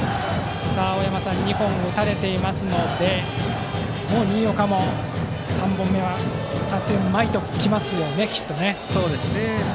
２本打たれていますのでもう新岡も３本目は打たせまいと来ますよね。